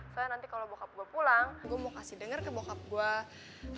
saya nanti kalau bokap gue pulang gue mau kasih denger ke bokap gue